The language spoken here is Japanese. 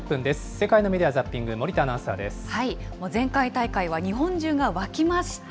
世界のメディア・ザッピング、前回大会は日本中が沸きました。